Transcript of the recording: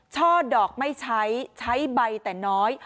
ช่อดอกไม่ใช้ใช้ใบแต่น้อย